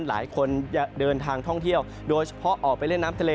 หลายคนจะเดินทางท่องเที่ยวโดยเฉพาะออกไปเล่นน้ำทะเล